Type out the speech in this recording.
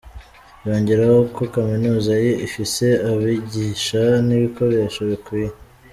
Yongeraho ko kaminuza ye ifise abigisha n'ibikoresho bikwiye.